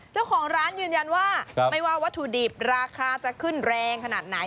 เจ้าของร้านยืนยันว่าไม่ว่าวัตถุดิบราคาจะขึ้นแรงขนาดไหน